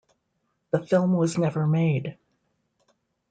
The film was never made.